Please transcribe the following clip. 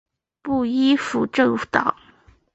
不依附政党！